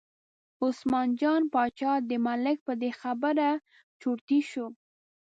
عثمان جان باچا د ملک په دې خبره چرتي شو.